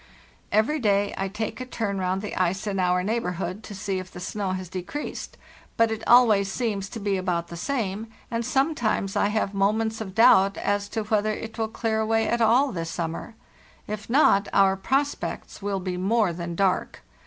* "Every day I take a turn round the ice in our neigh borhood to see if the snow has decreased, but it always seems to be about the same, and sometimas I have mo ments of doubt as to whether it will clear away at all this summer. If not, our prospects will be more than dark.